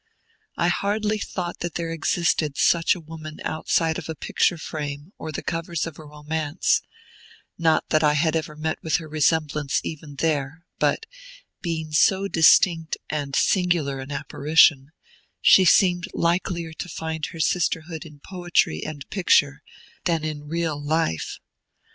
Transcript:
I hardly thought that there existed such a woman outside of a picture frame, or the covers of a romance: not that I had ever met with her resemblance even there, but, being so distinct and singular an apparition; she seemed likelier to find her sisterhood in poetry and picture than in real life.